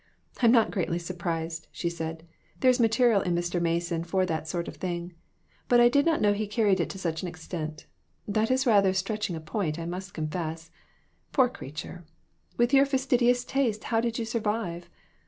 "I'm not greatly sur prised," she said; "there is material in Mr. Mason for that sort of thing ; but I did not know he carried it to such an extent. That is rather stretching a point, I must confess. Poor creat ure ! With your fastidious tastes, how did you sur vive?